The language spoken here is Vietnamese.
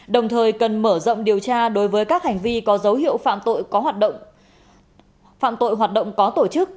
đồng thời cần mở rộng điều tra đối với các hành vi có dấu hiệu phạm tội hoạt động có tổ chức